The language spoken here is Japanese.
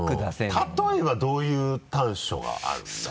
例えばどういう短所があるんだい？